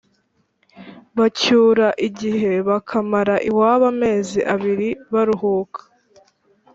bacyura igihe bakamara iwabo amezi abiri baruhuka